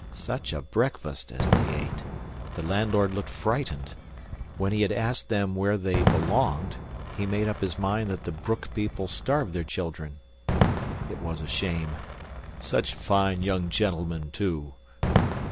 Such a breakfast as they ate! The landlord looked frightened. When he had asked them where they "belonged," he made up his mind that the Broek people starved their children. It was a shame. "Such fine young gentlemen too!"